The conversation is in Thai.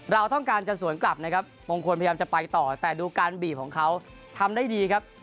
เราต้องการจะสวนกลับนะครับมงคลพยายามจะไปต่อแต่ดูการบีบของเขาทำได้ดีครับ